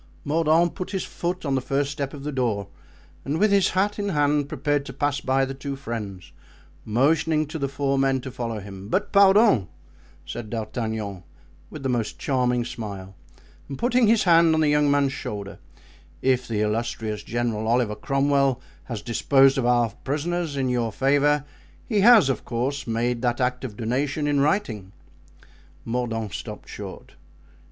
Mordaunt put his foot on the first step of the door and, with his hat in hand, prepared to pass by the two friends, motioning to the four men to follow him. "But, pardon," said D'Artagnan, with the most charming smile and putting his hand on the young man's shoulder, "if the illustrious General Oliver Cromwell has disposed of our prisoners in your favour, he has, of course, made that act of donation in writing." Mordaunt stopped short.